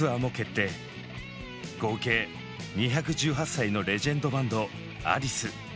合計２１８歳のレジェンドバンドアリス。